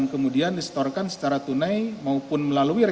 kemudian besaran uang untuk mendapatkan lancar